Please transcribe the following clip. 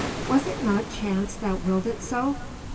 Was it not Chance that willed it so?